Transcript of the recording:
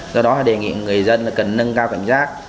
do đó đề nghị người dân cần nâng cao cảm giác